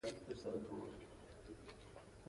دولتي خدمات او کار نه شته.